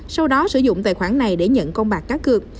sau đó sử dụng tài khoản này để nhận con bạc cá cược